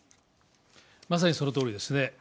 まさにそのとおりですね。